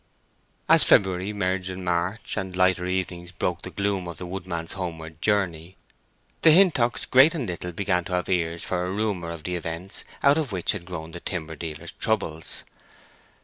As February merged in March, and lighter evenings broke the gloom of the woodmen's homeward journey, the Hintocks Great and Little began to have ears for a rumor of the events out of which had grown the timber dealer's troubles.